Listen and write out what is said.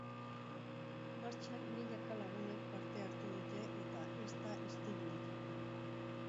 Martxan milaka lagunek parte hartu dute eta ez da istilurik egon.